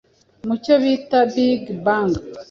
mu cyo bita Big Bang